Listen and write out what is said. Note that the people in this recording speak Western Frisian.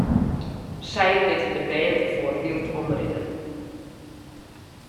Sy litte de bern foar wyld omrinne.